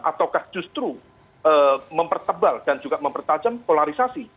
ataukah justru mempertebal dan juga mempertajam polarisasi